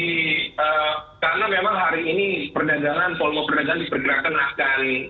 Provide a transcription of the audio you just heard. karena memang hari ini perdagangan volume perdagangan di pergerakan akan